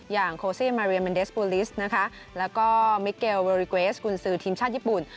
อย่างโคซี่มารียาเมนเดสบูลลิสและก็มิเกลเวอร์รีเกรสกุญสือทีมชาติญี่ปุ่น